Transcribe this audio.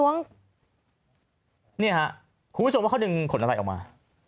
เนี่ยครับคุณผู้ชมว่าเขาดึงขนอะไรออกมา